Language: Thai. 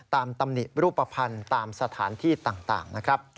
ตามตำหนิรูปภัณฑ์ตามสถานที่ต่าง